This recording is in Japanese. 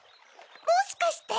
もしかして。